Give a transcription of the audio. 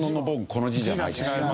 この字じゃないですよ。